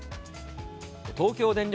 東京電力